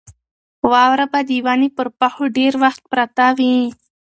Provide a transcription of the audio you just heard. واوره به د ونې پر پښو ډېر وخت پرته وي.